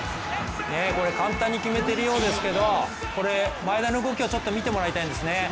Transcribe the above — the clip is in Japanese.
これ、簡単に決めているようですけども前田の動きをちょっと見てもらいたいんですね。